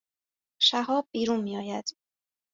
شهاب بیرون می آید